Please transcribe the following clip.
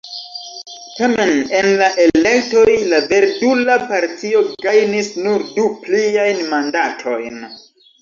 Tamen en la elektoj la Verdula Partio gajnis nur du pliajn mandatojn.